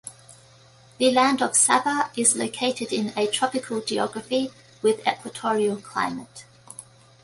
The land of Sabah is located in a tropical geography with equatorial climate.